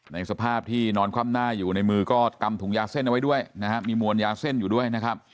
ในสภาพที่นอนคว่ำหน้าอยู่ในมือก็กำถุงยาเส้นเอาไว้ด้วยนะฮะมีมวลยาเส้นอยู่ด้วยนะครับ